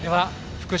福島